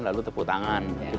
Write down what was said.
lalu tepuk tangan